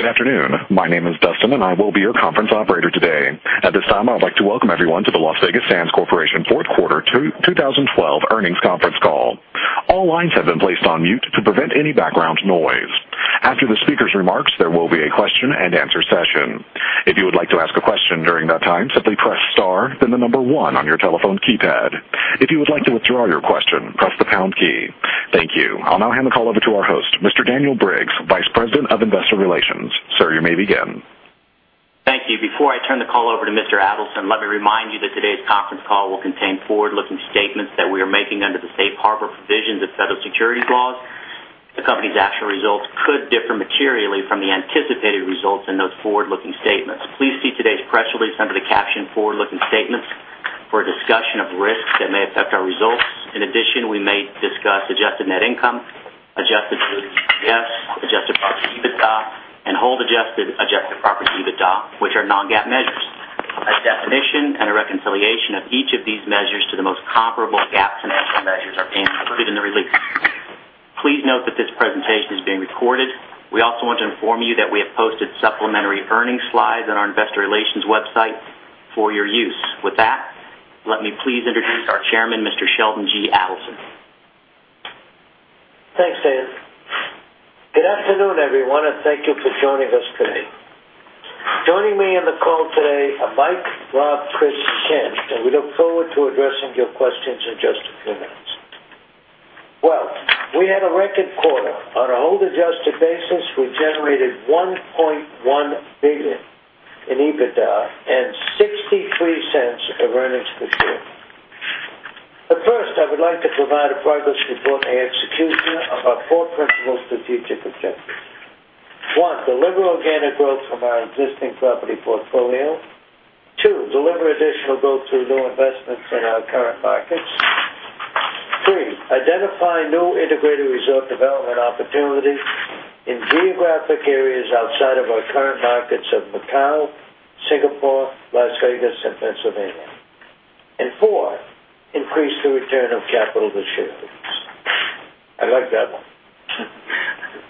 Good afternoon. My name is Dustin, and I will be your conference operator today. At this time, I would like to welcome everyone to The Las Vegas Sands Corp. fourth quarter 2012 earnings conference call. All lines have been placed on mute to prevent any background noise. After the speakers' remarks, there will be a question-and-answer session. If you would like to ask a question during that time, simply press star, then the number one on your telephone keypad. If you would like to withdraw your question, press the pound key. Thank you. I'll now hand the call over to our host, Mr. Daniel Briggs, Vice President of Investor Relations. Sir, you may begin. Thank you. Before I turn the call over to Mr. Adelson, let me remind you that today's conference call will contain forward-looking statements that we are making under the safe harbor provisions of federal securities laws. The company's actual results could differ materially from the anticipated results in those forward-looking statements. Please see today's press release under the caption Forward-Looking Statements for a discussion of risks that may affect our results. In addition, we may discuss adjusted net income, adjusted EBITDA, adjusted property EBITDA, and hold adjusted property EBITDA, which are non-GAAP measures. A definition and a reconciliation of each of these measures to the most comparable GAAP financial measures are being included in the release. Please note that this presentation is being recorded. We also want to inform you that we have posted supplementary earnings slides on our investor relations website for your use. With that, let me please introduce our Chairman, Mr. Sheldon G. Adelson. Thanks, Dan. Good afternoon, everyone, and thank you for joining us today. Joining me on the call today are Mike, Rob, Chris, and Shin, and we look forward to addressing your questions in just a few minutes. Well, we had a record quarter. On a hold-adjusted basis, we generated $1.1 billion in EBITDA and $0.63 of earnings per share. First, I would like to provide a progress report on the execution of our four principal strategic objectives. One, deliver organic growth from our existing property portfolio. Two, deliver additional growth through new investments in our current markets. Three, identify new integrated resort development opportunities in geographic areas outside of our current markets of Macau, Singapore, Las Vegas, and Pennsylvania. Four, increase the return of capital to shareholders. I like that one.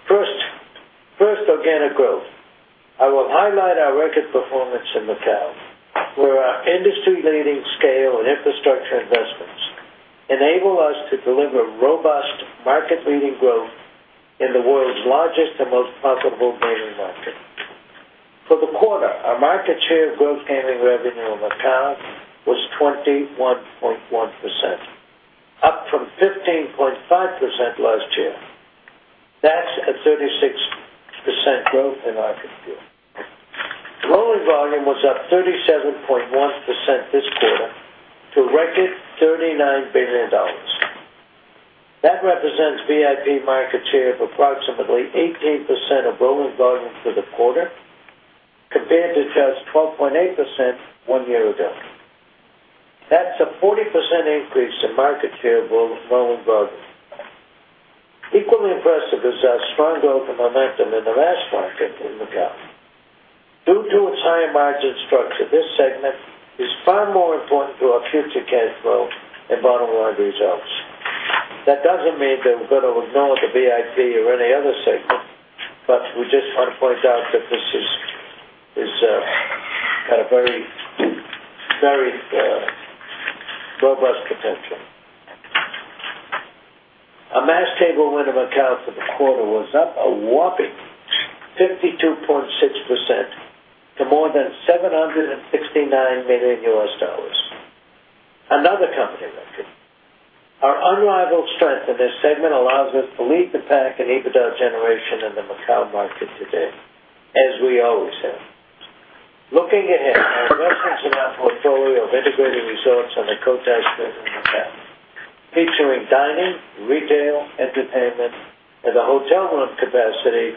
First, organic growth. I will highlight our record performance in Macau, where our industry-leading scale and infrastructure investments enable us to deliver robust market-leading growth in the world's largest and most profitable gaming market. For the quarter, our market share of gross gaming revenue in Macau was 21.1%, up from 15.5% last year. That's a 36% growth in market share. Rolling volume was up 37.1% this quarter to a record $39 billion. That represents VIP market share of approximately 18% of rolling volume for the quarter, compared to just 12.8% one year ago. That's a 40% increase in market share of rolling volume. Equally impressive is our strong growth and momentum in the mass market in Macau. Due to its high-margin structure, this segment is far more important to our future cash flow and bottom-line results. That doesn't mean that we're going to ignore the VIP or any other segment, we just want to point out that this has very robust potential. Our mass table win in Macau for the quarter was up a whopping 52.6% to more than $769 million. Another company record. Our unrivaled strength in this segment allows us to lead the pack in EBITDA generation in the Macau market today, as we always have. Looking ahead, our investments in our portfolio of integrated resorts on the Cotai Strip in Macau, featuring dining, retail, entertainment, and the hotel room capacity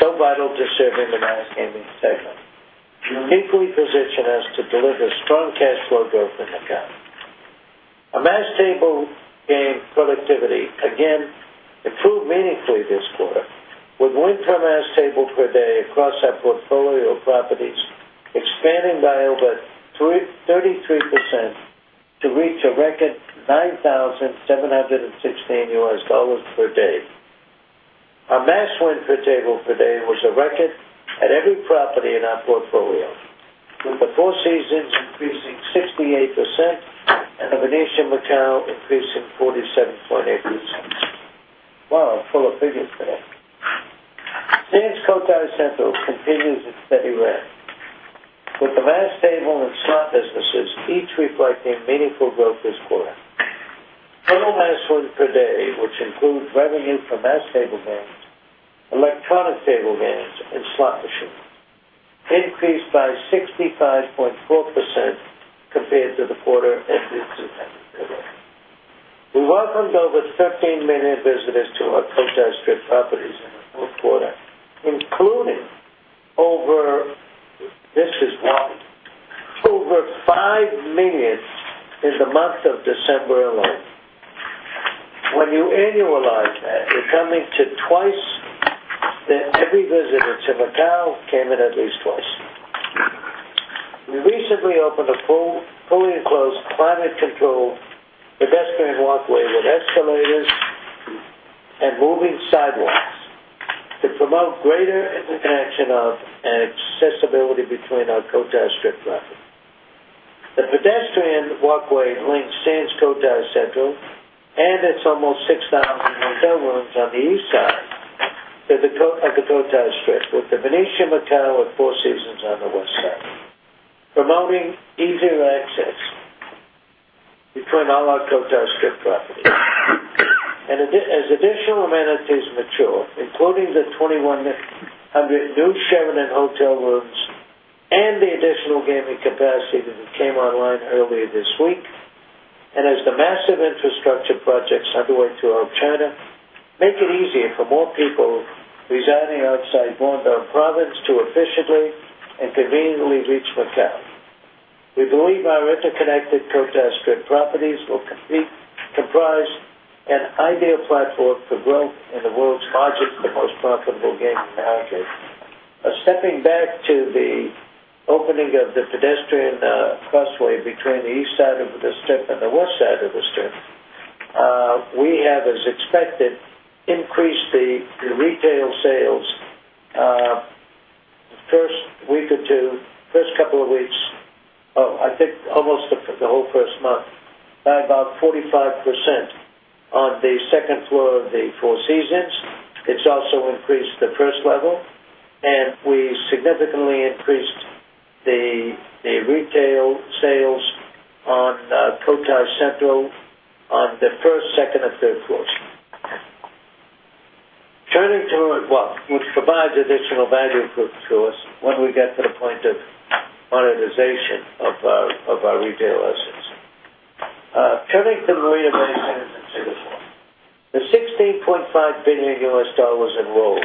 so vital to serving the mass gaming segment, uniquely position us to deliver strong cash flow growth in Macau. Our mass table game productivity, again, improved meaningfully this quarter, with win per mass table per day across our portfolio of properties expanding by over 33% to reach a record $9,716 per day. Our mass win per table per day was a record at every property in our portfolio, with the Four Seasons increasing 68% and The Venetian Macao increasing 47.8%. Wow, I'm full of figures today. Sands Cotai Central continues its steady run, with the mass table and slot businesses each reflecting meaningful growth this quarter. Total mass win per day, which includes revenue from mass table games, electronic table games, and slot machines, increased by 65.4% compared to the quarter and to the previous quarter. We welcomed over 13 million visitors to our Cotai Strip properties in the fourth quarter, including over This is wild. Over 5 million in the month of December alone. When you annualize that, you're coming to twice, that every visitor to Macau came in at least twice. Recently opened a fully enclosed climate-controlled pedestrian walkway with escalators and moving sidewalks to promote greater interconnection of and accessibility between our Cotai Strip properties. The pedestrian walkway links Sands Cotai Central and its almost 6,000 hotel rooms on the east side of the Cotai Strip, with The Venetian Macao and Four Seasons on the west side, promoting easier access between all our Cotai Strip properties. As additional amenities mature, including the 2,100 new Sheraton hotel rooms and the additional gaming capacity that came online earlier this week, and as the massive infrastructure projects underway throughout China make it easier for more people residing outside Guangdong Province to efficiently and conveniently reach Macao. We believe our interconnected Cotai Strip properties will comprise an ideal platform for growth in the world's largest and most profitable gaming market. Stepping back to the opening of the pedestrian crossway between the east side of the Strip and the west side of the Strip. We have, as expected, increased the retail sales the first week or 2, first couple of weeks, I think almost the whole first month, by about 45% on the second floor of the Four Seasons. It's also increased the 1st level, and we significantly increased the retail sales on Sands Cotai Central on the first, second, and third floors, which provides additional value to us when we get to the point of monetization of our retail assets. Turning to Marina Bay Sands in Singapore. The $16.5 billion USD roll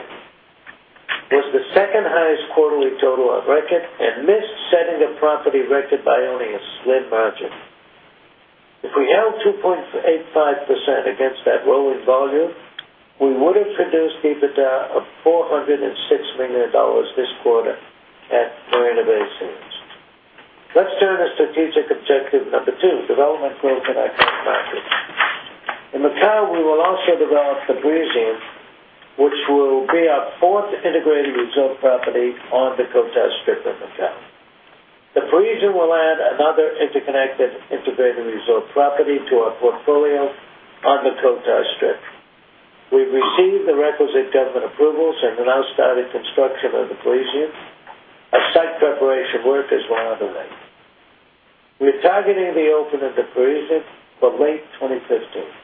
was the second-highest quarterly total on record and missed setting a property record by only a slim margin. If we held 2.85% against that rolling volume, we would have produced EBITDA of $406 million this quarter at Marina Bay Sands. Let's turn to strategic objective number 2, development growth in our core markets. In Macao, we will also develop The Parisian, which will be our fourth integrated resort property on the Cotai Strip in Macao. The Parisian will add another interconnected integrated resort property to our portfolio on the Cotai Strip. We've received the requisite government approvals and have now started construction of The Parisian, and site preparation work is well underway. We're targeting the open of The Parisian for late 2015.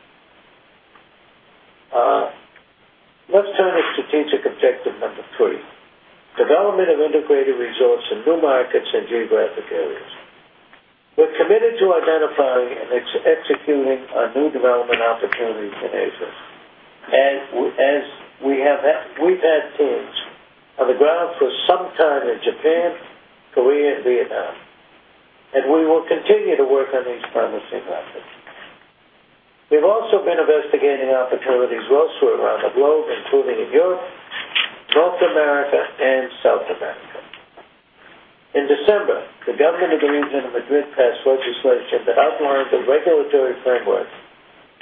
Let's turn to strategic objective number 3, development of integrated resorts in new markets and geographic areas. We're committed to identifying and executing on new development opportunities in Asia. As we've had teams on the ground for some time in Japan, Korea, and Vietnam. We will continue to work on these promising properties. We've also been investigating opportunities elsewhere around the globe, including in Europe, North America, and South America. In December, the government of the region of Madrid passed legislation that outlines a regulatory framework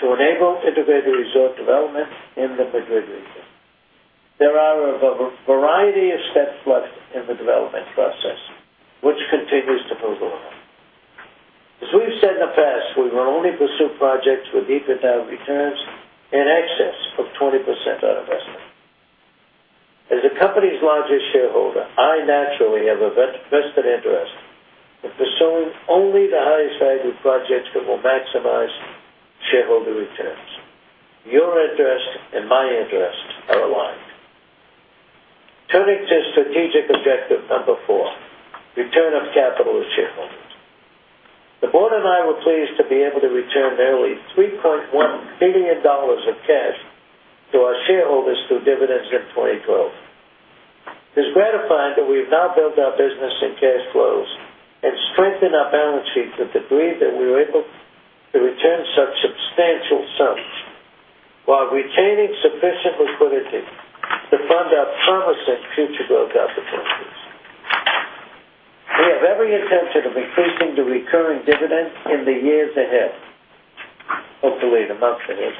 to enable integrated resort development in the Madrid region. There are a variety of steps left in the development process, which continues to move along. As we've said in the past, we will only pursue projects with EBITDA returns in excess of 20% on investment. As the company's largest shareholder, I naturally have a vested interest in pursuing only the highest-value projects that will maximize shareholder returns. Your interest and my interest are aligned. Turning to strategic objective number 4, return of capital to shareholders. The board and I were pleased to be able to return nearly $3.1 billion of cash to our shareholders through dividends in 2012. It is gratifying that we have now built our business and cash flows and strengthened our balance sheet to a degree that we were able to return such substantial sums while retaining sufficient liquidity to fund our promising future growth opportunities. We have every intention of increasing the recurring dividend in the years ahead. Hopefully, the months ahead.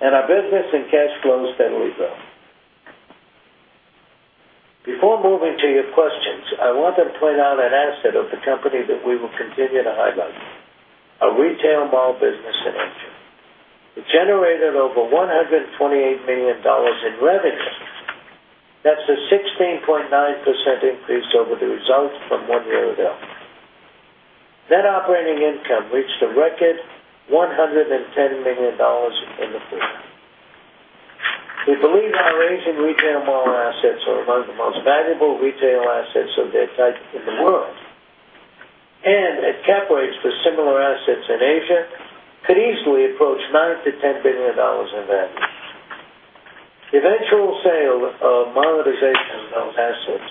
Our business and cash flows steadily grow. Before moving to your questions, I want to point out an asset of the company that we will continue to highlight, our retail mall business in Asia. It generated over $128 million in revenue. That's a 16.9% increase over the results from one year ago. Net operating income reached a record $110 million in the period. We believe our Asian retail mall assets are among the most valuable retail assets of their type in the world, and at cap rates for similar assets in Asia, could easily approach $9 billion-$10 billion in value. The eventual sale of monetization of assets,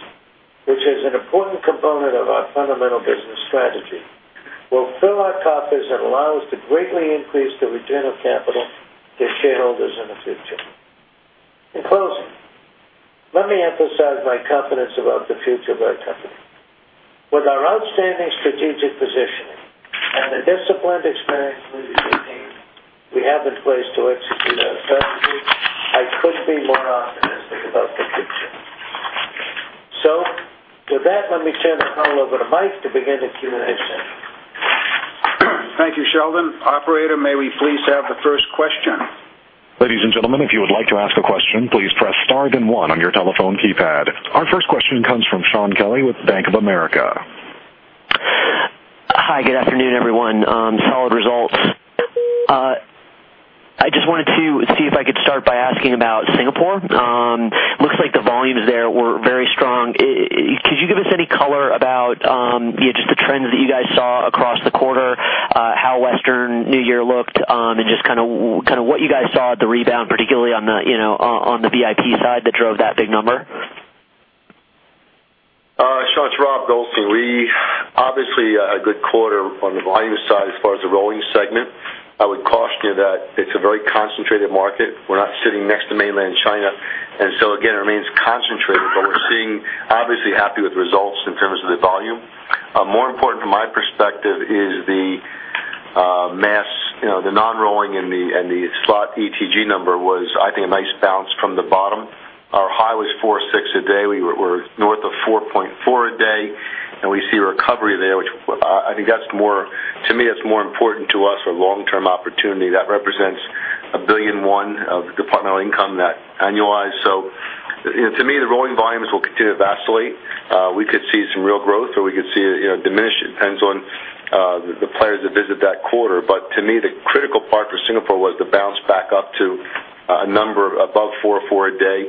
which is an important component of our fundamental business strategy, will fill our coffers and allow us to greatly increase the return of capital to shareholders in the future. Let me emphasize my confidence about the future of our company. With our outstanding strategic positioning and the disciplined, experienced leadership team we have in place to execute our strategy, I couldn't be more optimistic about the future. With that, let me turn the call over to Mike to begin the Q&A session. Thank you, Sheldon. Operator, may we please have the first question? Ladies and gentlemen, if you would like to ask a question, please press star then one on your telephone keypad. Our first question comes from Shaun Kelley with Bank of America. Hi, good afternoon, everyone. Solid results. I just wanted to see if I could start by asking about Singapore. Looks like the volumes there were very strong. Could you give us any color about just the trends that you guys saw across the quarter, how Western New Year looked, and just what you guys saw at the rebound, particularly on the VIP side that drove that big number? Shaun, it's Rob Goldstein. We obviously had a good quarter on the volume side as far as the rolling segment. I would caution you that it's a very concentrated market. We're not sitting next to mainland China. Again, it remains concentrated. We're obviously happy with results in terms of the volume. More important from my perspective is the mass. The non-rolling and the slot ETG number was, I think, a nice bounce from the bottom. Our high was 4.6 a day. We're north of 4.4 a day, and we see recovery there. To me, that's more important to us for long-term opportunity. That represents $1.1 billion of departmental income net annualized. To me, the rolling volumes will continue to vacillate. We could see some real growth or we could see it diminish. It depends on the players that visit that quarter. To me, the critical part for Singapore was the bounce back up to a number above 4.4 a day,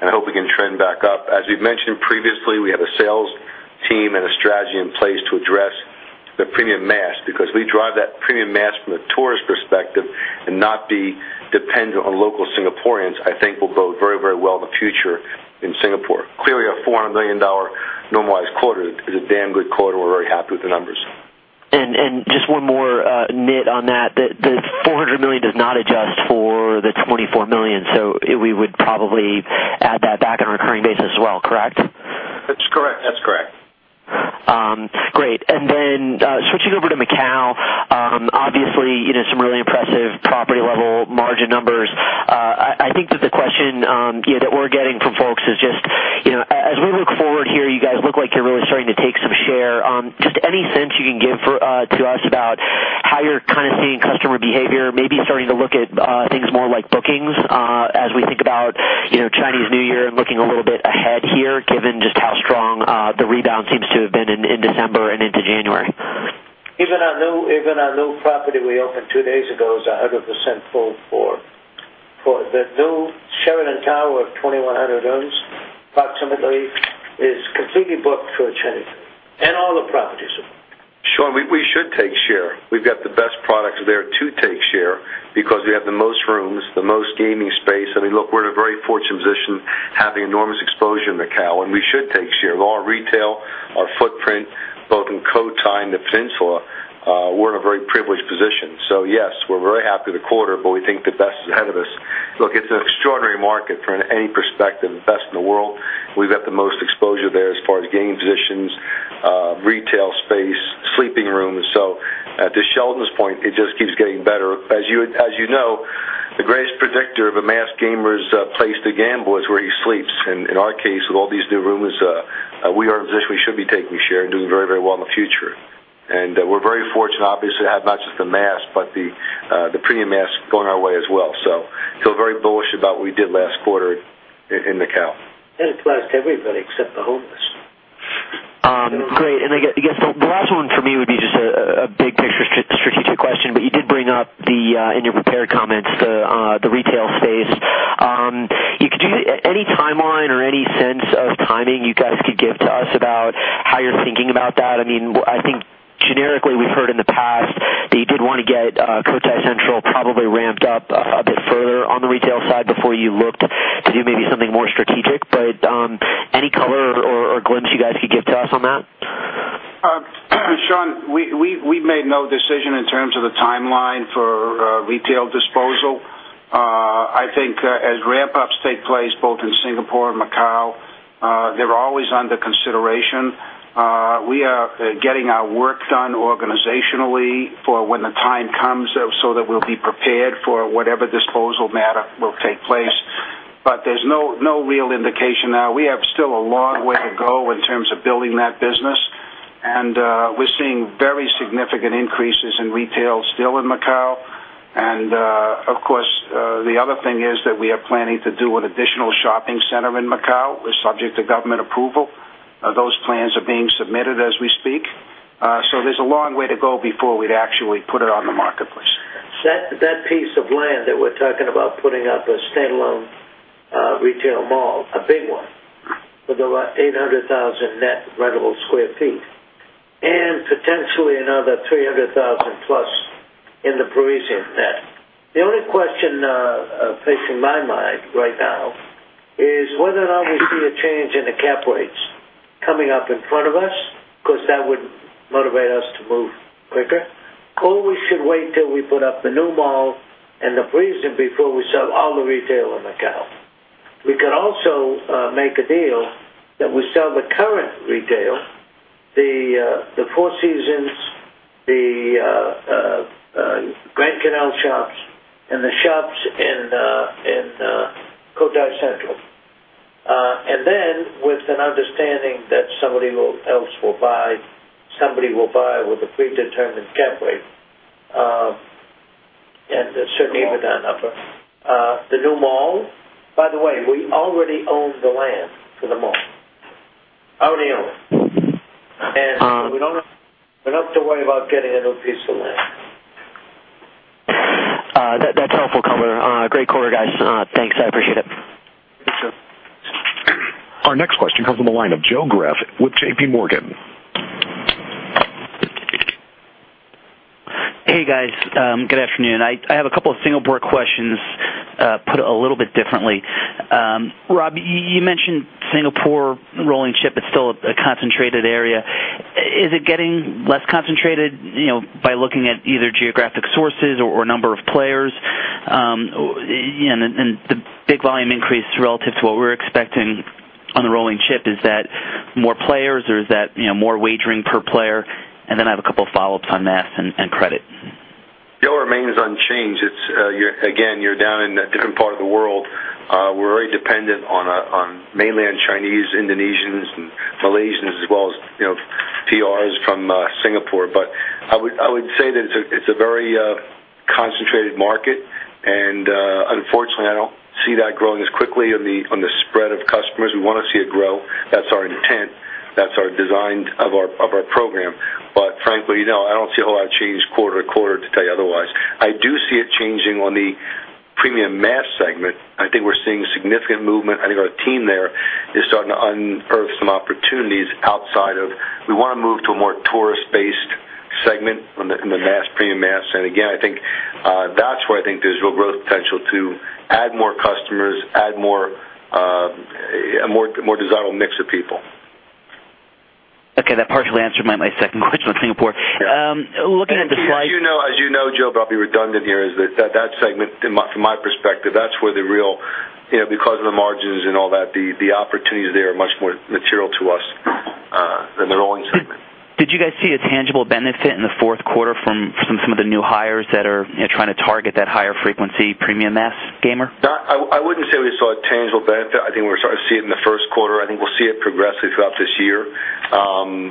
and I hope we can trend back up. As we've mentioned previously, we have a sales team and a strategy in place to address the premium mass, because we drive that premium mass from the tourist perspective and not be dependent on local Singaporeans, I think will bode very well in the future in Singapore. Clearly, a $400 million normalized quarter is a damn good quarter. We're very happy with the numbers. Just one more nit on that. The $400 million does not adjust for the $24 million. We would probably add that back on a recurring basis as well, correct? That's correct. That's correct. Great. Switching over to Macau. Obviously, some really impressive property-level margin numbers. I think that the question that we're getting from folks is just as we look forward here, you guys look like you're really starting to take some share. Just any sense you can give to us about how you're seeing customer behavior, maybe starting to look at things more like bookings as we think about Chinese New Year and looking a little bit ahead here, given just how strong the rebound seems to have been in December and into January. Even our new property we opened two days ago is 100% full. The new Sheraton Tower of 2,100 rooms, approximately, is completely booked for Chinese New Year. All the properties are. Shaun, we should take share. We've got the best products there to take share because we have the most rooms, the most gaming space. I mean, look, we're in a very fortunate position, having enormous exposure in Macau, and we should take share. With all our retail, our footprint, both in Cotai and the Peninsula, we're in a very privileged position. Yes, we're very happy with the quarter, but we think the best is ahead of us. Look, it's an extraordinary market from any perspective, the best in the world. We've got the most exposure there as far as game positions, retail space, sleeping rooms. To Sheldon's point, it just keeps getting better. As you know, the greatest predictor of a mass gamer's place to gamble is where he sleeps. In our case, with all these new rooms, we are in a position we should be taking share and doing very well in the future. We're very fortunate, obviously, to have not just the mass, but the premium mass going our way as well. Feel very bullish about what we did last quarter in Macau. It applies to everybody except the homeless. Great. I guess the last one for me would be just a big picture strategic question. You did bring up, in your prepared comments, the retail space. Any timeline or any sense of timing you guys could give to us about how you're thinking about that? I think generically, we've heard in the past that you did want to get Cotai Central probably ramped up a bit further on the retail side before you looked to do maybe something more strategic. Any color or glimpse you guys could give to us on that? Shaun, we've made no decision in terms of the timeline for retail disposal. I think as ramp-ups take place both in Singapore and Macau, they're always under consideration. We are getting our work done organizationally for when the time comes so that we'll be prepared for whatever disposal matter will take place. There's no real indication now. We have still a long way to go in terms of building that business, and we're seeing very significant increases in retail still in Macau. Of course, the other thing is that we are planning to do an additional shopping center in Macau, subject to government approval. Those plans are being submitted as we speak. There's a long way to go before we'd actually put it on the marketplace. That piece of land that we're talking about putting up a standalone retail mall, a big one with about 800,000 net rentable sq ft, and potentially another 300,000-plus in The Parisian net. The only question facing my mind right now is whether or not we see a change in the cap rates coming up in front of us because that would motivate us We should wait till we put up the new mall and The Parisian before we sell all the retail on Macau. We could also make a deal that we sell the current retail, the Four Seasons, the Grand Canal Shoppes, and the Shoppes in Cotai Central. Then with an understanding that somebody else will buy, somebody will buy with a predetermined cap rate, and certainly with that number. The new mall, by the way, we already own the land for the mall. Already own it. We don't have to worry about getting a new piece of land. That's helpful color. Great quarter, guys. Thanks. I appreciate it. Thank you, sir. Our next question comes from the line of Joe Greff with JPMorgan. Hey, guys. Good afternoon. I have a couple of Singapore questions put a little bit differently. Rob, you mentioned Singapore rolling chip is still a concentrated area. Is it getting less concentrated by looking at either geographic sources or number of players? And the big volume increase relative to what we were expecting on the rolling chip, is that more players or is that more wagering per player? And then I have a couple of follow-ups on mass and credit. Joe, it remains unchanged. Again, you're down in a different part of the world. We're very dependent on Mainland Chinese, Indonesians, and Malaysians, as well as PRs from Singapore. I would say that it's a very concentrated market, and unfortunately, I don't see that growing as quickly on the spread of customers. We want to see it grow. That's our intent. That's our design of our program. Frankly, I don't see a whole lot of change quarter to quarter to tell you otherwise. I do see it changing on the premium mass segment. I think we're seeing significant movement. I think our team there is starting to unearth some opportunities. We want to move to a more tourist-based segment in the premium mass. Again, that's where I think there's real growth potential to add more customers, add a more desirable mix of people. Okay. That partially answered my second question on Singapore. As you know, Joe, but I'll be redundant here, is that segment, from my perspective, because of the margins and all that, the opportunities there are much more material to us than the rolling segment. Did you guys see a tangible benefit in the fourth quarter from some of the new hires that are trying to target that higher frequency premium mass gamer? I wouldn't say we saw a tangible benefit. I think we're starting to see it in the first quarter. I think we'll see it progressively throughout this year.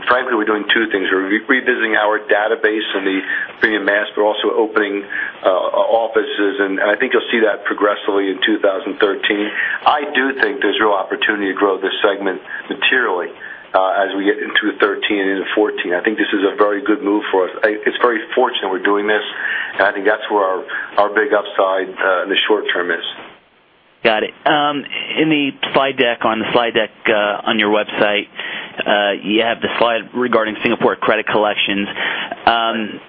Frankly, we're doing two things. We're revisiting our database in the premium mass, but also opening offices, and I think you'll see that progressively in 2013. I do think there's real opportunity to grow this segment materially as we get into 2013 and into 2014. I think this is a very good move for us. It's very fortunate we're doing this, and I think that's where our big upside in the short term is. Got it. In the slide deck on your website, you have the slide regarding Singapore credit collections. Right.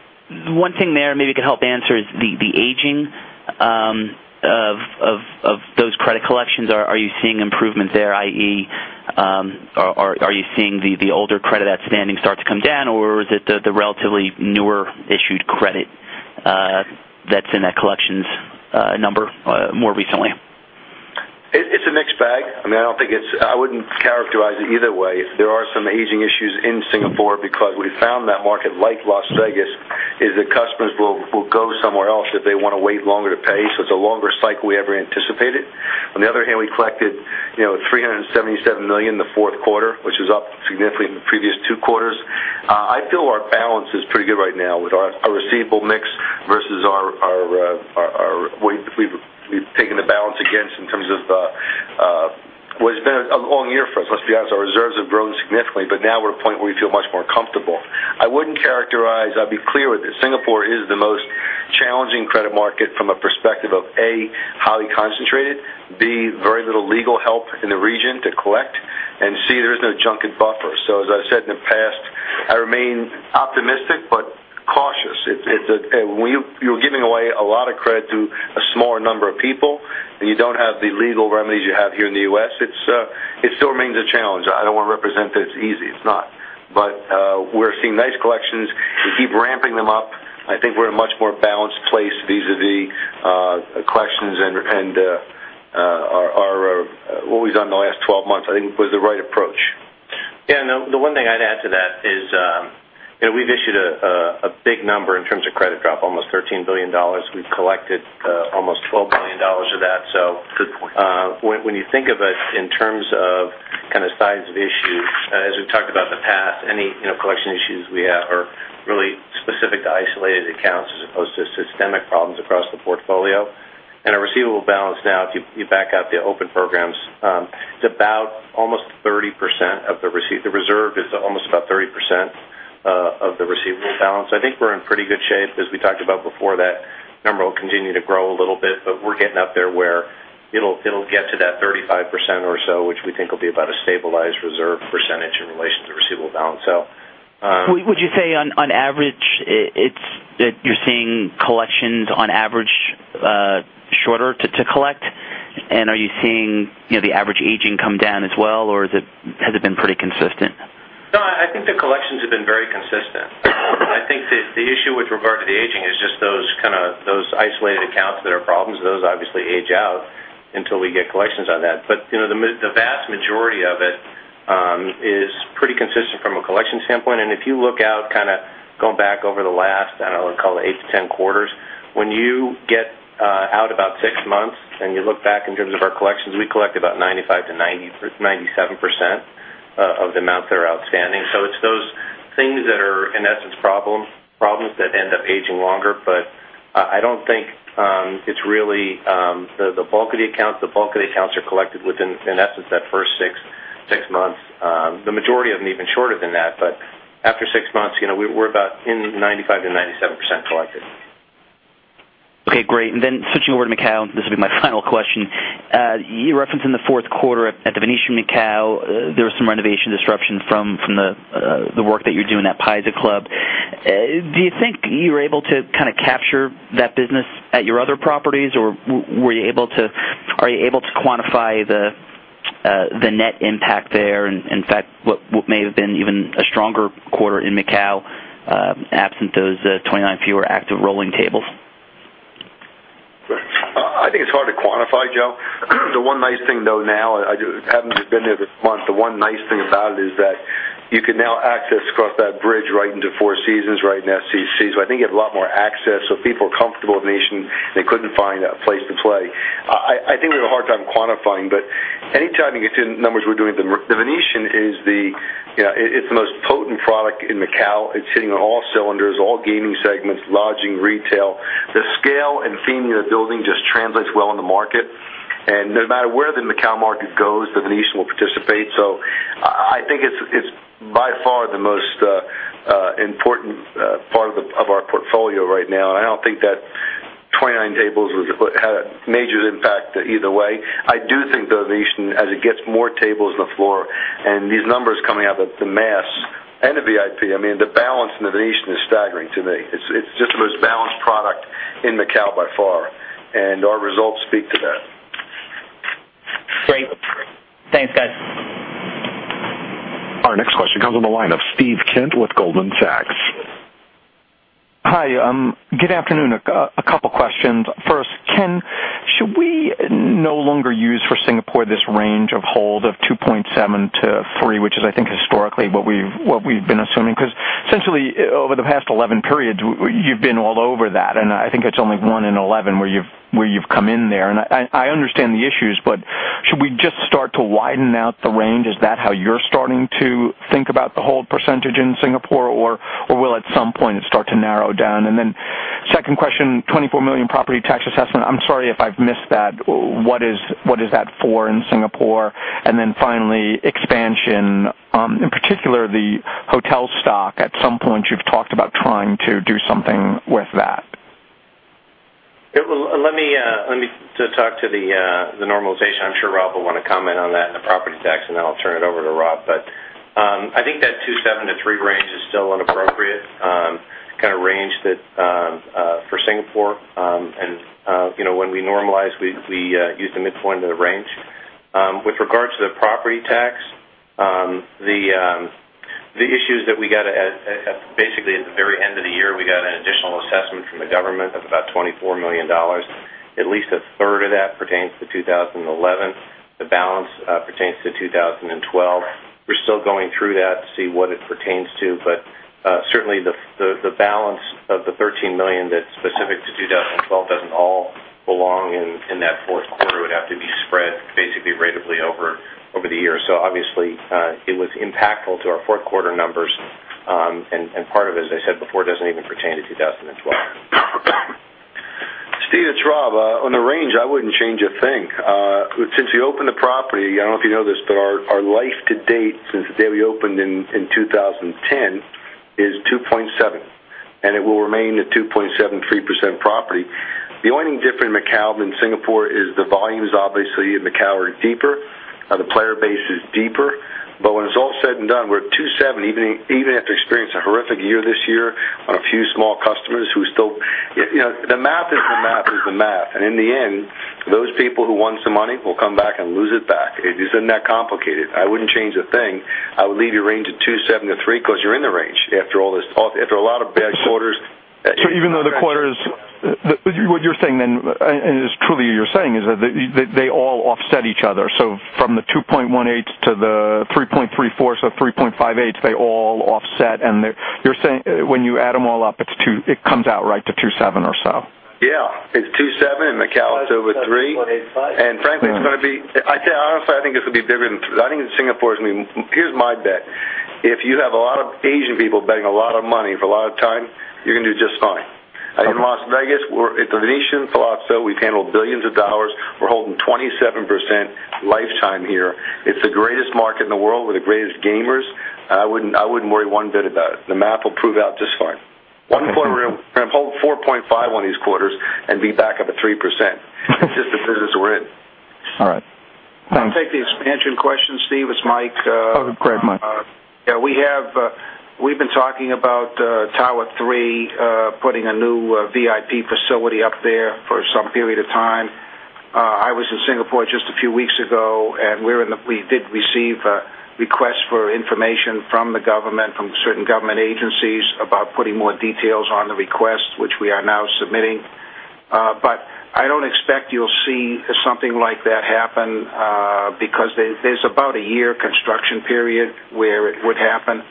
One thing there maybe you could help answer is the aging of those credit collections. Are you seeing improvements there, i.e., are you seeing the older credit outstanding start to come down, or is it the relatively newer issued credit that's in that collections number more recently? It's a mixed bag. I wouldn't characterize it either way. There are some aging issues in Singapore because we found that market, like Las Vegas, is that customers will go somewhere else if they want to wait longer to pay. It's a longer cycle we ever anticipated. On the other hand, we collected $377 million in the fourth quarter, which is up significantly from the previous two quarters. I feel our balance is pretty good right now with our receivable mix versus what we've taken the balance against in terms of well, it's been a long year for us, let's be honest. Our reserves have grown significantly, but now we're at a point where we feel much more comfortable. I wouldn't characterize, I'll be clear with this. Singapore is the most challenging credit market from a perspective of, A, highly concentrated, B, very little legal help in the region to collect, and C, there is no junket buffer. As I said in the past, I remain optimistic but cautious. You're giving away a lot of credit to a smaller number of people, and you don't have the legal remedies you have here in the U.S. It still remains a challenge. I don't want to represent that it's easy. It's not. We're seeing nice collections. We keep ramping them up. I think we're in a much more balanced place vis-à-vis collections and what we've done in the last 12 months. I think it was the right approach. Yeah. The one thing I'd add to that is we've issued a big number in terms of credit drop, almost $13 billion. We've collected almost $12 billion of that. Good point when you think of it in terms of size of issue, as we've talked about in the past, any collection issues we have are really specific to isolated accounts as opposed to systemic problems across the portfolio. Our receivable balance now, if you back out the open programs, the reserve is almost about 30% of the receivable balance. I think we're in pretty good shape. As we talked about before, that number will continue to grow a little bit, but we're getting up there where it'll get to that 35% or so, which we think will be about a stabilized reserve percentage in relation to receivable balance. Would you say on average that you're seeing collections on average shorter to collect? Are you seeing the average aging come down as well, or has it been pretty consistent? No, I think the collections have been very consistent. I think the issue with regard to the aging is just those isolated accounts that are problems. Those obviously age out until we get collections on that. The vast majority of it is pretty consistent from a collection standpoint. If you look out, going back over the last, I don't know, call it eight to 10 quarters, when you get out about six months and you look back in terms of our collections, we collect about 95%-97% of the amounts that are outstanding. It's those things that are, in essence, problems that end up aging longer. I don't think it's really the bulk of the accounts. The bulk of the accounts are collected within, in essence, that first six months. The majority of them even shorter than that. After six months, we're about in 95%-97% collected. Okay, great. Switching over to Macau, this will be my final question. You referenced in the fourth quarter at The Venetian Macao, there was some renovation disruption from the work that you're doing at Paiza Club. Do you think you were able to capture that business at your other properties, or are you able to quantify the net impact there? In fact, what may have been even a stronger quarter in Macau, absent those 29 fewer active rolling tables? I think it's hard to quantify, Joe. The one nice thing, though, now, having just been there this month, the one nice thing about it is that you can now access across that bridge, right into Four Seasons, right into FCC. I think you have a lot more access. People are comfortable with The Venetian. They couldn't find a place to play. I think we have a hard time quantifying, but any time you get to the numbers we're doing, The Venetian, it's the most potent product in Macau. It's hitting on all cylinders, all gaming segments, lodging, retail. The scale and theming of the building just translates well in the market. No matter where the Macau market goes, The Venetian will participate. I think it's by far the most important part of our portfolio right now. I don't think that 29 tables had a major impact either way. I do think The Venetian, as it gets more tables on the floor and these numbers coming out at the mass and the VIP, the balance in The Venetian is staggering to me. It's just the most balanced product in Macau by far, and our results speak to that. Great. Thanks, guys. Our next question comes on the line of Steve Kent with Goldman Sachs. Hi. Good afternoon. A couple questions. First, Ken, should we no longer use for Singapore this range of hold of 2.7 to 3, which is, I think, historically what we've been assuming, because essentially over the past 11 periods, you've been all over that, and I think it's only one in 11 where you've come in there. I understand the issues, but should we just start to widen out the range? Is that how you're starting to think about the hold percentage in Singapore, or will, at some point, it start to narrow down? Second question, $24 million property tax assessment. I'm sorry if I've missed that. What is that for in Singapore? Finally, expansion, in particular, the hotel stock. At some point, you've talked about trying to do something with that. Let me just talk to the normalization. I'm sure Rob will want to comment on that and the property tax, then I'll turn it over to Rob. I think that 2.7 to 3 range is still an appropriate kind of range for Singapore. When we normalize, we use the midpoint of the range. With regards to the property tax, the issues that we got, basically at the very end of the year, we got an additional assessment from the government of about $24 million. At least a third of that pertains to 2011. The balance pertains to 2012. We're still going through that to see what it pertains to, but certainly the balance of the $13 million that's specific to 2012 doesn't all belong in that fourth quarter, would have to be spread basically ratably over the year. Obviously, it was impactful to our fourth quarter numbers. Part of it, as I said before, doesn't even pertain to 2012. Steve, it's Rob. On the range, I wouldn't change a thing. Since we opened the property, I don't know if you know this, but our life to date since the day we opened in 2010 is 2.7%, and it will remain a 2.7%, 3% property. The only difference between Macau and Singapore is the volumes, obviously, in Macau, are deeper. The player base is deeper. When it's all said and done, we're at 2.7, even after experiencing a horrific year this year on a few small customers. The math is the math is the math, and in the end, those people who won some money will come back and lose it back. It isn't that complicated. I wouldn't change a thing. I would leave your range at 2.7 to 3 because you're in the range after a lot of bad quarters. Even though the quarters, what you're saying then, it's truly you're saying, is that they all offset each other. From the 2.18 to the 3.34, so 3.58, they all offset, you're saying when you add them all up, it comes out right to 2.7 or so. Yeah. It's 2.7 in Macau, it's over 3. Frankly, honestly, I think this will be bigger than. I think Singapore is going to be. Here's my bet. If you have a lot of Asian people betting a lot of money for a lot of time, you're going to do just fine. In Las Vegas, at The Venetian Palazzo, we've handled billions of dollars. We're holding 27% lifetime here. It's the greatest market in the world with the greatest gamers, I wouldn't worry one bit about it. The math will prove out just fine. One quarter, we're going to hold 4.5 on these quarters and be back up at 3%. It's just the business we're in. All right. I'll take the expansion question, Steve. It's Mike. Yeah, we've been talking about Tower 3, putting a new VIP facility up there for some period of time. I was in Singapore just a few weeks ago. We did receive requests for information from the government, from certain government agencies, about putting more details on the request, which we are now submitting. I don't expect you'll see something like that happen, because there's about a year construction period where it would happen.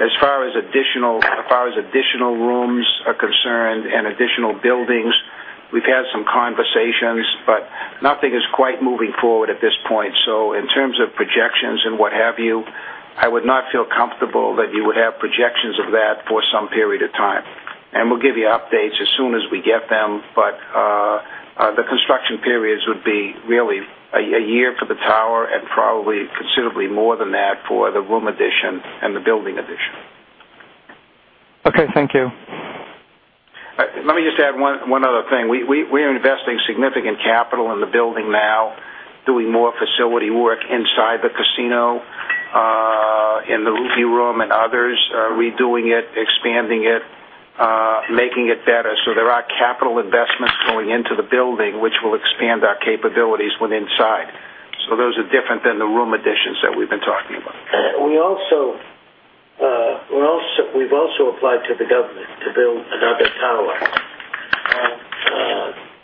As far as additional rooms are concerned and additional buildings, we've had some conversations, but nothing is quite moving forward at this point. In terms of projections and what have you, I would not feel comfortable that you would have projections of that for some period of time. We'll give you updates as soon as we get them. The construction periods would be really a year for the tower and probably considerably more than that for the room addition and the building addition. Okay, thank you. Let me just add one other thing. We're investing significant capital in the building now, doing more facility work inside the casino, in the Ruby Room and others, redoing it, expanding it, making it better. There are capital investments going into the building, which will expand our capabilities when inside. Those are different than the room additions that we've been talking about. We've also applied to the government to build another tower.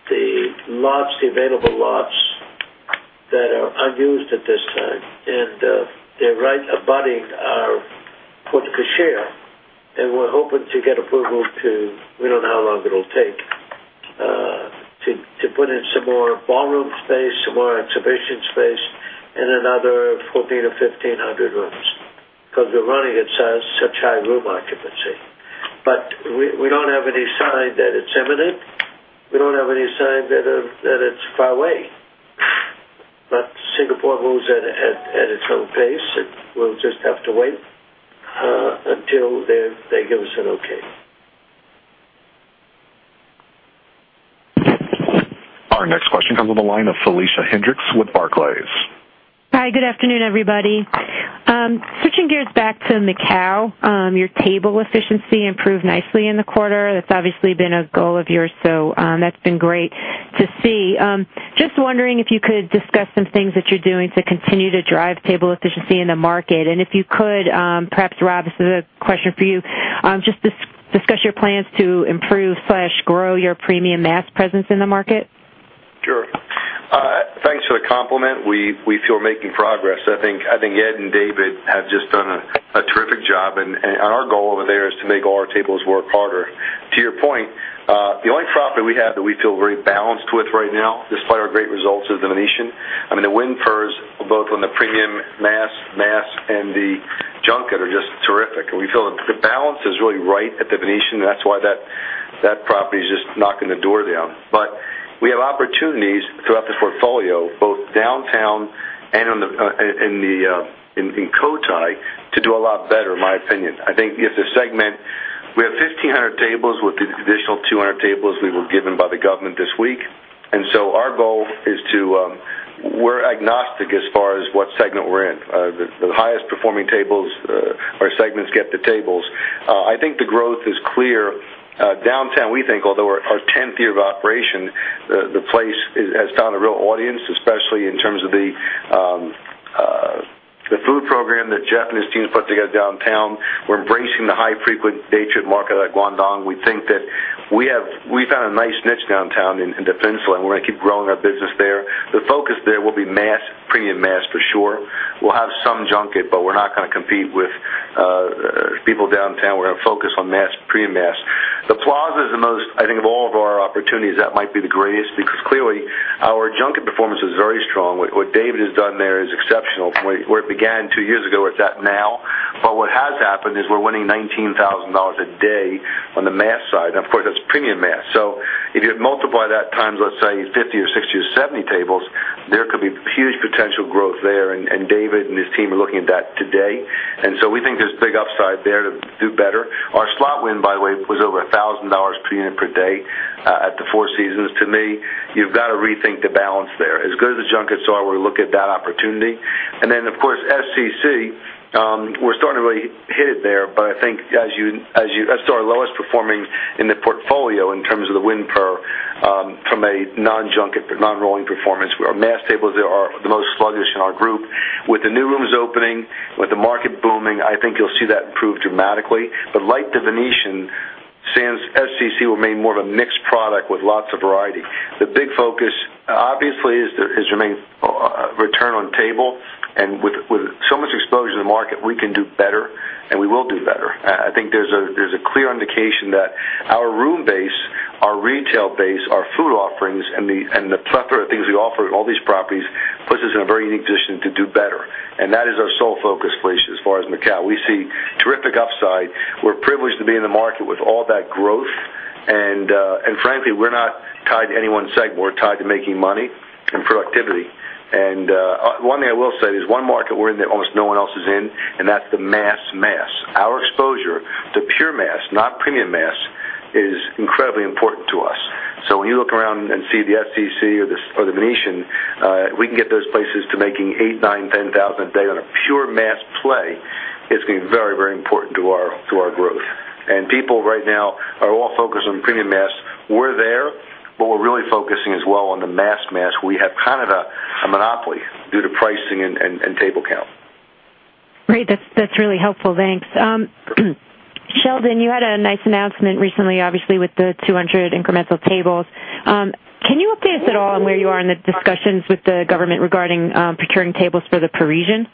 The available lots that are unused at this time, and they're right abutting our porte cochere, and we're hoping to get approval to, we don't know how long it'll take, to put in some more ballroom space, some more exhibition space, and another 1,400-1,500 rooms, because we're running such high room occupancy. We don't have any sign that it's imminent. We don't have any sign that it's far away. Singapore moves at its own pace. We'll just have to wait until they give us an okay. Our next question comes on the line of Felicia Hendrix with Barclays. Hi, good afternoon, everybody. Switching gears back to Macau, your table efficiency improved nicely in the quarter. That's obviously been a goal of yours, so that's been great to see. Just wondering if you could discuss some things that you're doing to continue to drive table efficiency in the market. If you could, perhaps, Rob, this is a question for you. Just discuss your plans to improve/grow your premium mass presence in the market. Sure. Thanks for the compliment. We feel we're making progress. I think Ed and David have just done a terrific job, our goal over there is to make all our tables work harder. To your point, the only property we have that we feel very balanced with right now, despite our great results, is The Venetian. I mean, the win pers, both on the premium mass, and the junket are just terrific. We feel the balance is really right at The Venetian, that's why that property is just knocking the door down. We have opportunities throughout the portfolio, both downtown and in Cotai, to do a lot better, in my opinion. I think as a segment, we have 1,500 tables with the additional 200 tables we were given by the government this week. Our goal is to, we're agnostic as far as what segment we're in. The highest-performing tables or segments get the tables. I think the growth is clear. Downtown, we think, although our tenth year of operation, the place has found a real audience, especially in terms of the food program that Jeff and his team have put together downtown. We're embracing the high frequent day trip market at Guangdong. We think that we found a nice niche downtown in the Peninsula, we're going to keep growing our business there. The focus there will be mass, premium mass, for sure. We'll have some junket, we're not going to compete with people downtown. We're going to focus on mass, premium mass. The Plaza is the most, I think, of all of our opportunities, that might be the greatest because clearly our junket performance is very strong. What David has done there is exceptional. From where it began 2 years ago, where it's at now. What has happened is we're winning $19,000 a day on the mass side. Of course, that's premium mass. If you multiply that times, let's say, 50 or 60 or 70 tables, there could be huge potential growth there. David and his team are looking at that today. We think there's big upside there to do better. Our slot win, by the way, was over $1,000 per unit per day at the Four Seasons. To me, you've got to rethink the balance there. As good as the junkets are, we're looking at that opportunity. Then, of course, SCC, we're starting to really hit it there. I think as to our lowest performing in the portfolio in terms of the win per from a non-junket, non-rolling performance, our mass tables are the most sluggish in our group. With the new rooms opening, with the market booming, I think you'll see that improve dramatically. Like The Venetian, SCC will be more of a mixed product with lots of variety. The big focus, obviously, is remain return on table, and with so much exposure to the market, we can do better, and we will do better. I think there's a clear indication that our room base, our retail base, our food offerings, and the plethora of things we offer at all these properties puts us in a very unique position to do better. That is our sole focus, Felicia, as far as Macau. We see terrific upside. We're privileged to be in the market with all that growth. Frankly, we're not tied to any one segment. We're tied to making money and productivity. One thing I will say is one market we're in that almost no one else is in, and that's the mass. Our exposure to pure mass, not premium mass When you look around and see the SCC or The Venetian, we can get those places to making eight, nine, 10,000 a day on a pure mass play. It's going to be very important to our growth. People right now are all focused on premium mass. We're there, but we're really focusing as well on the mass where we have kind of a monopoly due to pricing and table count. Great. That's really helpful. Thanks. Sheldon, you had a nice announcement recently, obviously, with the 200 incremental tables. Can you update us at all on where you are in the discussions with the government regarding procuring tables for The Parisian?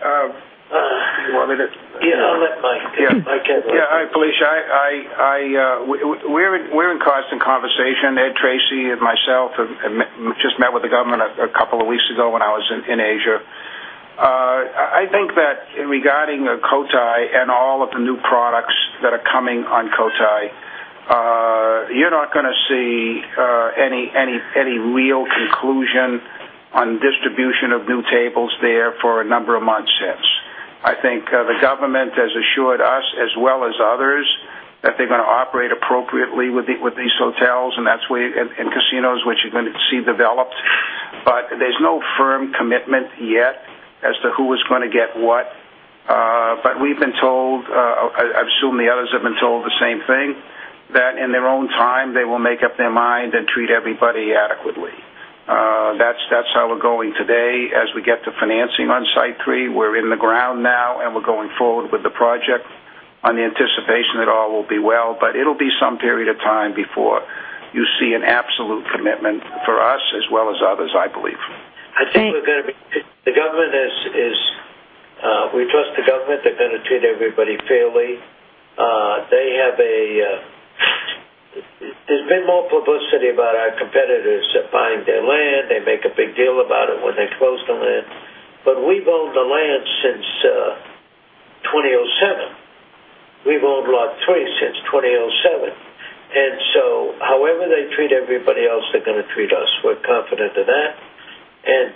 Do you want me to? Yeah, I'll let Mike. Yeah. Hi, Felicia. We're in constant conversation. Edward Tracy and myself have just met with the government a couple of weeks ago when I was in Asia. I think that regarding the Cotai and all of the new products that are coming on Cotai, you're not going to see any real conclusion on distribution of new tables there for a number of months yet. I think the government has assured us as well as others that they're going to operate appropriately with these hotels. Casinos, which you're going to see developed. There's no firm commitment yet as to who is going to get what. We've been told, I assume the others have been told the same thing, that in their own time, they will make up their mind and treat everybody adequately. That's how we're going today. As we get to financing on site 3, we're in the ground now, and we're going forward with the project on the anticipation that all will be well, but it'll be some period of time before you see an absolute commitment for us as well as others, I believe. Thanks. I think we trust the government they're going to treat everybody fairly. There's been more publicity about our competitors buying their land. They make a big deal about it when they close the land. We've owned the land since 2007. We've owned Lot 3 since 2007. However they treat everybody else, they're going to treat us. We're confident of that.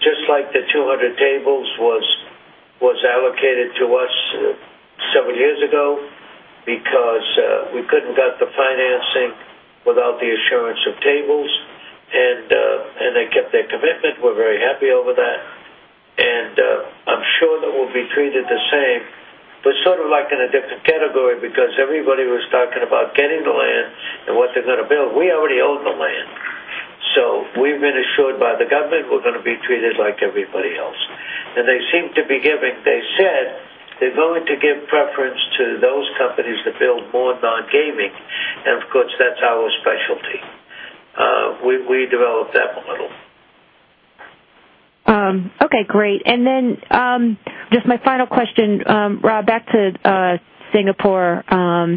Just like the 200 tables was allocated to us several years ago because we couldn't get the financing without the assurance of tables. They kept their commitment. We're very happy over that. I'm sure that we'll be treated the same, but sort of like in a different category because everybody was talking about getting the land and what they're going to build. We already own the land. We've been assured by the government we're going to be treated like everybody else. They said they're going to give preference to those companies that build more non-gaming. Of course, that's our specialty. We developed that model. Okay, great. Then, just my final question, Rob, back to Singapore.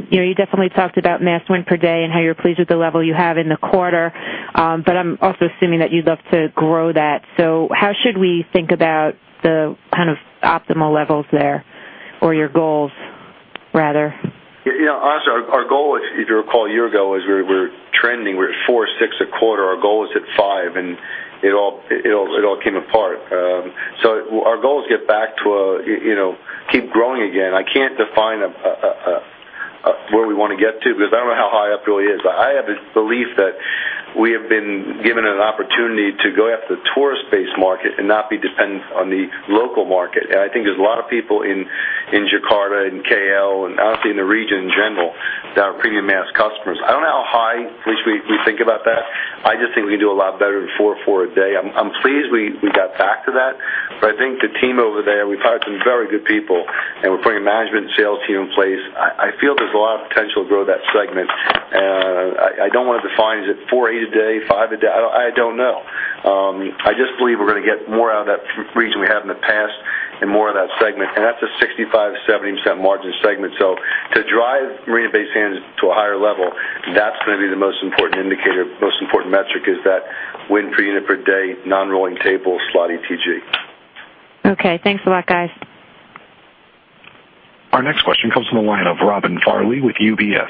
You definitely talked about mass win per day and how you're pleased with the level you have in the quarter. I'm also assuming that you'd love to grow that. How should we think about the optimal levels there, or your goals rather? Yeah. Also, our goal is, if you recall a year ago, is we were trending. We're at $4.6 a quarter. Our goal is at $5, it all came apart. Our goal is get back to keep growing again. I can't define where we want to get to because I don't know how high up it really is. I have this belief that we have been given an opportunity to go after the tourist-based market and not be dependent on the local market. I think there's a lot of people in Jakarta and KL, and honestly in the region in general, that are premium mass customers. I don't know how high, Felicia, you think about that. I just think we can do a lot better than $4.4 a day. I'm pleased we got back to that. I think the team over there, we've hired some very good people, and we're putting a management sales team in place. I feel there's a lot of potential to grow that segment. I don't want to define, is it $4.8 a day? $5 a day? I don't know. I just believe we're going to get more out of that region we have in the past and more of that segment. That's a 65%-70% margin segment. To drive Marina Bay Sands to a higher level, that's going to be the most important indicator. Most important metric is that win per unit per day, non-rolling table, slot ETG. Okay. Thanks a lot, guys. Our next question comes from the line of Robin Farley with UBS.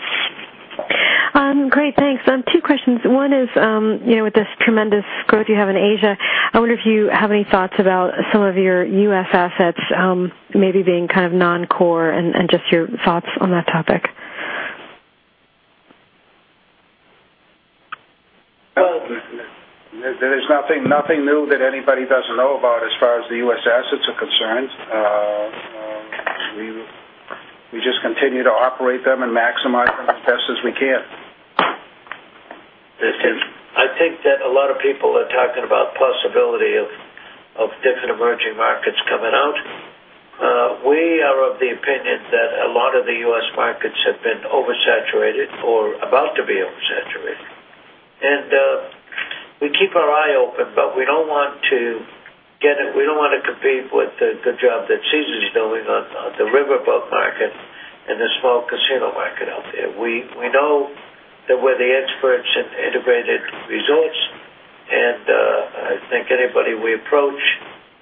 Great. Thanks. Two questions. One is, with this tremendous growth you have in Asia, I wonder if you have any thoughts about some of your U.S. assets maybe being non-core and just your thoughts on that topic. Well- There's nothing new that anybody doesn't know about as far as the U.S. assets are concerned. We just continue to operate them and maximize them as best as we can. I think that a lot of people are talking about possibility of different emerging markets coming out. We are of the opinion that a lot of the U.S. markets have been oversaturated or about to be oversaturated. We keep our eye open, we don't want to compete with the job that Caesars is doing on the riverboat market and the small casino market out there. We know that we're the experts in integrated resorts, I think anybody we approach,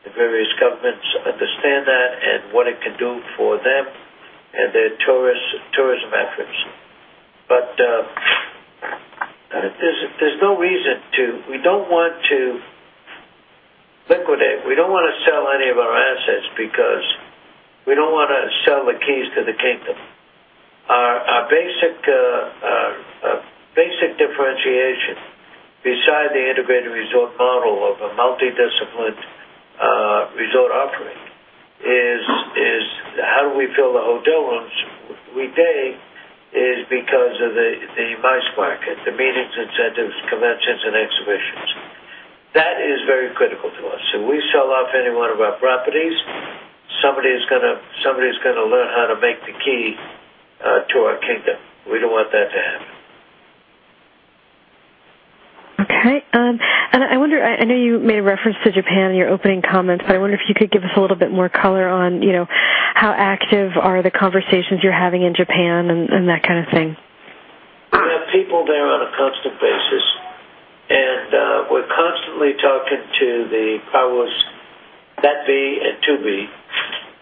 the various governments understand that and what it can do for them and their tourism efforts. There's no reason to. We don't want to sell the keys to the kingdom. Our basic differentiation beside the integrated resort model of a multidisciplinary resort offering is how do we fill the hotel rooms weekday is because of the MICE market, the meetings, incentives, conventions, and exhibitions. That is very critical to us. We sell off any one of our properties, somebody is going to learn how to make the key to our kingdom. We don't want that to happen. Okay. I know you made a reference to Japan in your opening comments, but I wonder if you could give us a little bit more color on how active are the conversations you're having in Japan and that kind of thing. We have people there on a constant basis, and we're constantly talking to the powers that be and to be.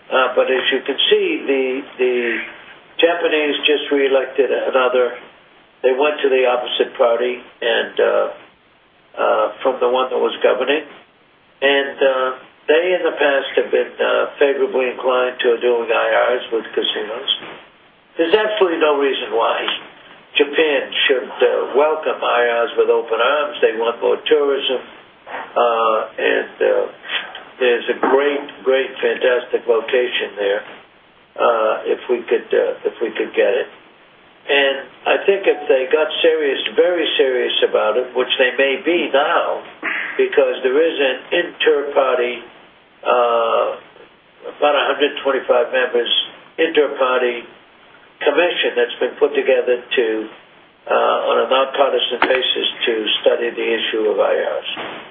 As you can see, the Japanese just reelected. They went to the opposite party from the one that was governing. They in the past have been favorably inclined to doing IRs with casinos. There's absolutely no reason why Japan shouldn't welcome IRs with open arms. They want more tourism. There's a great, fantastic location there, if we could get it. I think if they got very serious about it, which they may be now, because there is an interparty, about 125 members, interparty commission that's been put together on a nonpartisan basis to study the issue of IRs.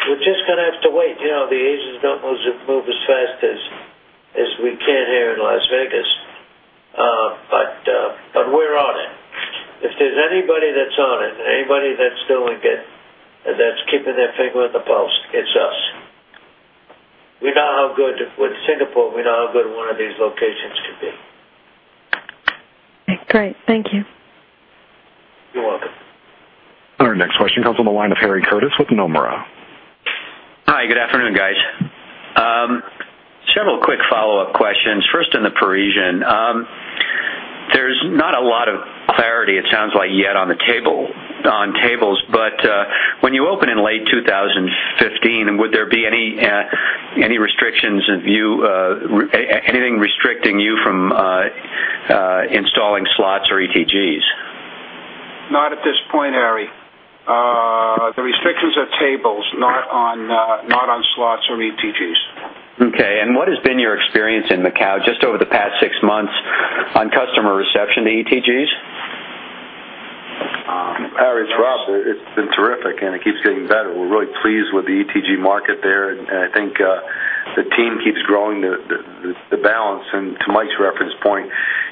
We're just going to have to wait. The Asians don't move as fast as we can here in Las Vegas. We're on it. If there's anybody that's on it, anybody that's doing it, and that's keeping their finger on the pulse, it's us. With Singapore, we know how good one of these locations could be. Great. Thank you. You're welcome. Our next question comes on the line of Harry Curtis with Nomura. Hi, good afternoon, guys. Several quick follow-up questions. First on The Parisian. There is not a lot of clarity, it sounds like yet on tables, but when you open in late 2015, would there be anything restricting you from installing slots or ETGs? Not at this point, Harry. The restrictions are tables, not on slots or ETGs. Okay. What has been your experience in Macau just over the past six months on customer reception to ETGs? Harry, it's Rob. It's been terrific, and it keeps getting better. We're really pleased with the ETG market there, and I think the team keeps growing the balance. To Mike's reference point,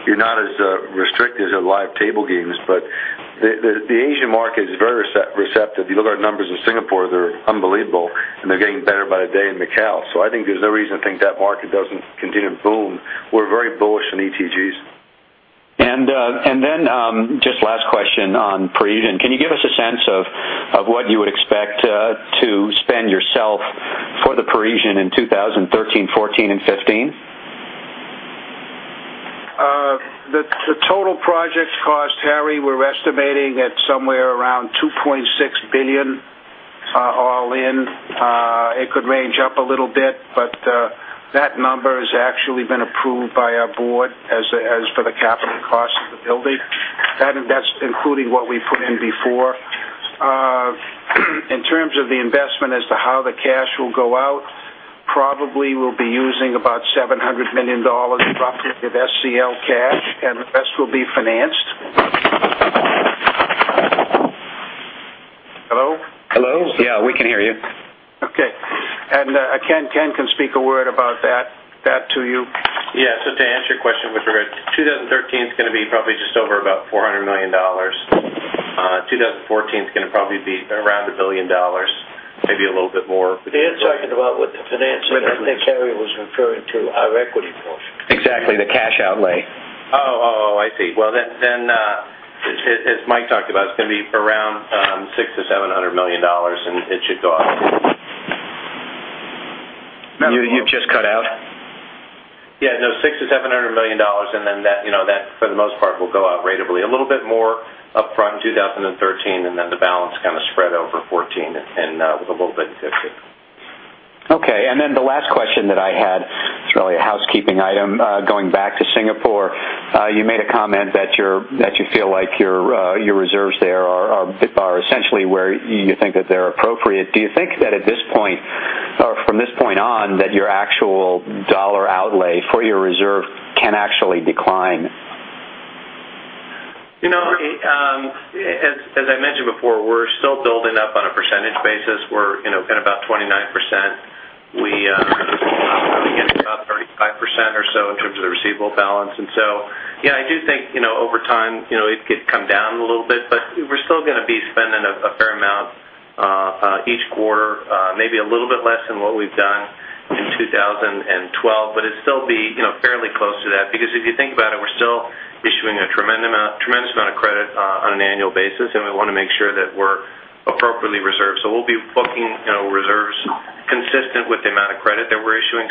you're not as restricted as live table games, but the Asian market is very receptive. You look at our numbers in Singapore, they're unbelievable, and they're getting better by the day in Macau. I think there's no reason to think that market doesn't continue to boom. We're very bullish on ETGs. Just last question on Parisian, can you give us a sense of what you would expect to spend yourself for the Parisian in 2013, 2014, and 2015? The total project cost, Harry, we're estimating at somewhere around $2.6 billion all in. It could range up a little bit, but that number has actually been approved by our board as for the capital cost of the building. That's including what we put in before. In terms of the investment as to how the cash will go out, probably we'll be using about $700 million roughly of SCL cash, and the rest will be financed. Hello? Hello? Yeah, we can hear you. Okay. Ken can speak a word about that to you. Yeah. To answer your question with regard, 2013 is going to be probably just over about $400 million. 2014 is going to probably be around $1 billion, maybe a little bit more. He is talking about what the financing- Right. I think Harry was referring to our equity portion. Exactly, the cash outlay. Oh. I see. Well, then, as Mike talked about, it's going to be around $600 million-$700 million, it should go out. You've just cut out. Yeah, no, $6 million-$700 million. That, for the most part, will go out ratably. A little bit more upfront, 2013, the balance kind of spread over 2014 and with a little bit in 2015. Okay. The last question that I had, it's really a housekeeping item. Going back to Singapore, you made a comment that you feel like your reserves there are essentially where you think that they're appropriate. Do you think that at this point or from this point on, that your actual dollar outlay for your reserve can actually decline? As I mentioned before, we're still building up on a percentage basis. We're at about 29%. We are probably getting to about 35% or so in terms of the receivable balance. Yeah, I do think, over time, it could come down a little bit. We're still going to be spending a fair amount each quarter, maybe a little bit less than what we've done in 2012. It'll still be fairly close to that because if you think about it, we're On an annual basis, we want to make sure that we're appropriately reserved. We'll be booking reserves consistent with the amount of credit that we're issuing.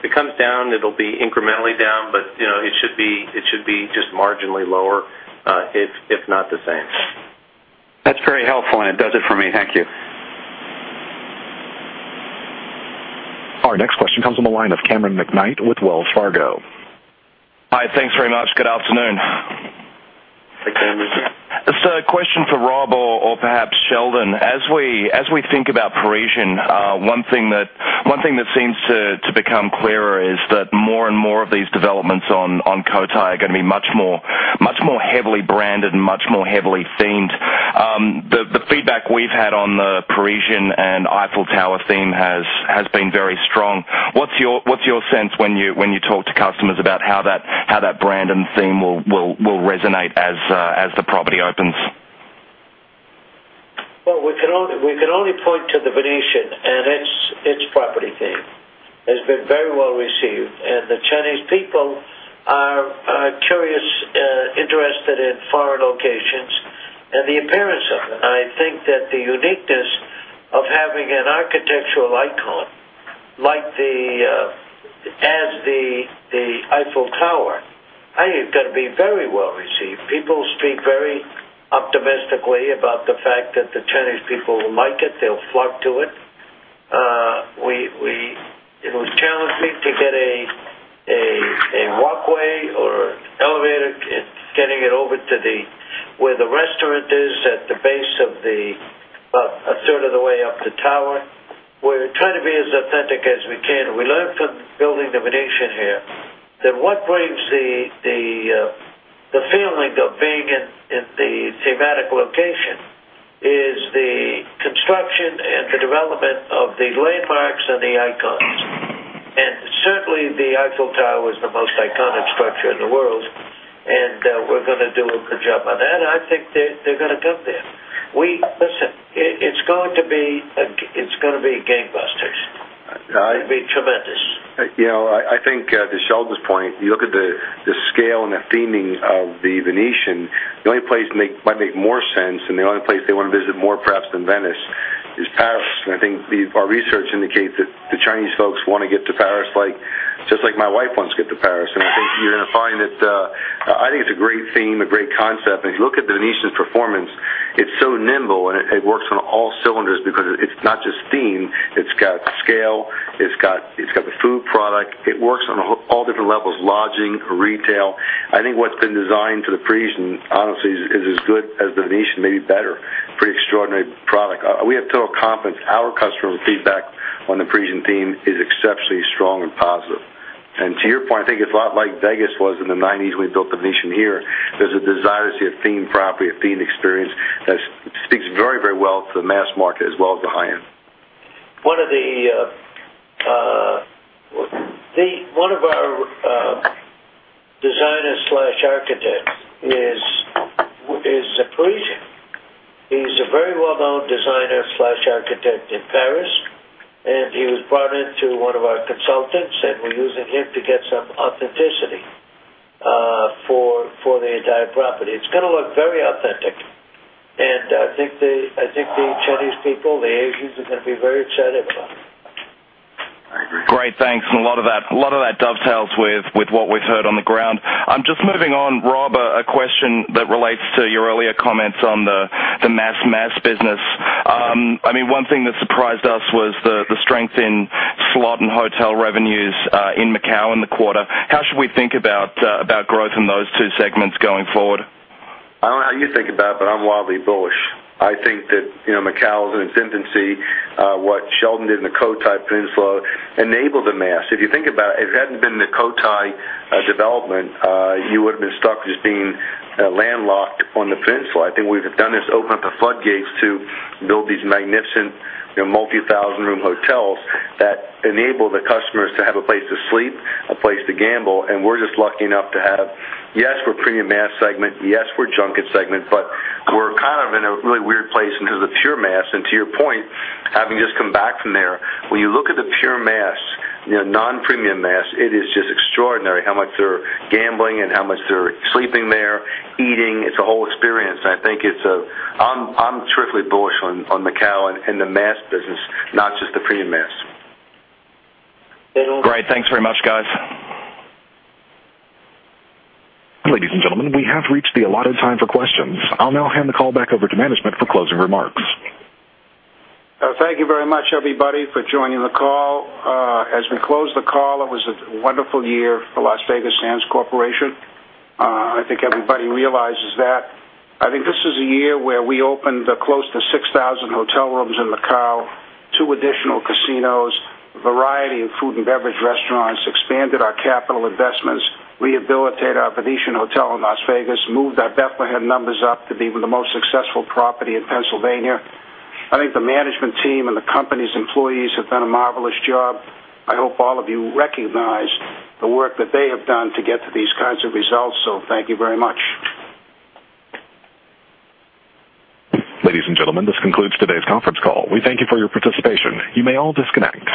If it comes down, it'll be incrementally down, but it should be just marginally lower, if not the same. That's very helpful, and it does it for me. Thank you. Our next question comes on the line of Cameron McKnight with Wells Fargo. Hi, thanks very much. Good afternoon. Hi, Cameron. A question for Rob or perhaps Sheldon. As we think about The Parisian, one thing that seems to become clearer is that more and more of these developments on Cotai are going to be much more heavily branded and much more heavily themed. The feedback we've had on The Parisian and Eiffel Tower theme has been very strong. What's your sense when you talk to customers about how that brand and theme will resonate as the property opens? We can only point to The Venetian, and its property theme has been very well received, and the Chinese people are curious, interested in foreign locations and the appearance of them. I think that the uniqueness of having an architectural icon as the Eiffel Tower, I think it's going to be very well received. People speak very optimistically about the fact that the Chinese people will like it. They'll flock to it. It was challenging to get a walkway or elevator, getting it over to where the restaurant is, at the base of the, about a third of the way up the tower. We're trying to be as authentic as we can. We learned from building The Venetian here that what brings the feeling of being in the thematic location is the construction and the development of the landmarks and the icons. Certainly, the Eiffel Tower is the most iconic structure in the world, and we're going to do a good job on that. I think they're going to come there. Listen, it's going to be gangbusters. It'll be tremendous. I think to Sheldon's point, you look at the scale and the theming of The Venetian. The only place might make more sense and the only place they want to visit more, perhaps, than Venice, is Paris. I think our research indicates that the Chinese folks want to get to Paris just like my wife wants to get to Paris. I think you're going to find that, I think it's a great theme, a great concept. If you look at The Venetian's performance, it's so nimble, and it works on all cylinders because it's not just theme. It's got scale. It's got the food product. It works on all different levels, lodging, retail. I think what's been designed to The Parisian, honestly, is as good as The Venetian, maybe better. Pretty extraordinary product. We have total confidence. Our customer feedback on The Parisian theme is exceptionally strong and positive. To your point, I think it's a lot like Vegas was in the '90s when we built The Venetian here. There's a desire to see a themed property, a themed experience that speaks very well to the mass market as well as the high-end. One of our designers/architects is a Parisian. He's a very well-known designer/architect in Paris, he was brought in through one of our consultants, we're using him to get some authenticity for the entire property. It's going to look very authentic, I think the Chinese people, the Asians, are going to be very excited about it. I agree. Great. Thanks. A lot of that dovetails with what we've heard on the ground. Just moving on, Rob, a question that relates to your earlier comments on the mass business. One thing that surprised us was the strength in slot and hotel revenues in Macau in the quarter. How should we think about growth in those two segments going forward? I don't know how you think about it, but I'm wildly bullish. I think that Macau is in its infancy. What Sheldon did in the Cotai Peninsula enabled the mass. If you think about it, if it hadn't been the Cotai development, you would've been stuck just being landlocked on the peninsula. I think what we've done is open up the floodgates to build these magnificent multi-thousand-room hotels that enable the customers to have a place to sleep, a place to gamble, and we're just lucky enough to have, yes, we're premium mass segment. Yes, we're junket segment, but we're kind of in a really weird place because of pure mass. To your point, having just come back from there, when you look at the pure mass, non-premium mass, it is just extraordinary how much they're gambling and how much they're sleeping there, eating. It's a whole experience. I'm truthfully bullish on Macau and the mass business, not just the premium mass. Great. Thanks very much, guys. Ladies and gentlemen, we have reached the allotted time for questions. I'll now hand the call back over to management for closing remarks. Thank you very much, everybody, for joining the call. As we close the call, it was a wonderful year for Las Vegas Sands Corporation. I think everybody realizes that. I think this is a year where we opened close to 6,000 hotel rooms in Macau, two additional casinos, a variety of food and beverage restaurants, expanded our capital investments, rehabilitated our Venetian hotel in Las Vegas, moved our Bethlehem numbers up to be the most successful property in Pennsylvania. I think the management team and the company's employees have done a marvelous job. I hope all of you recognize the work that they have done to get to these kinds of results, so thank you very much. Ladies and gentlemen, this concludes today's conference call. We thank you for your participation. You may all disconnect.